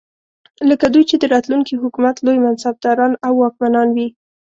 لکه دوی چې د راتلونکي حکومت لوی منصبداران او واکمنان وي.